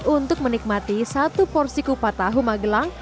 untuk menikmati satu porsi kupat tahu magelang